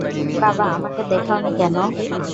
বাবা, আমাকে দেখাও নি কেনো?